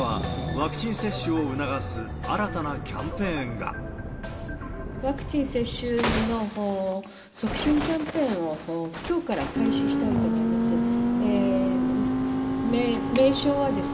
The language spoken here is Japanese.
ワクチン接種の促進キャンペーンを、きょうから開始したいと思います。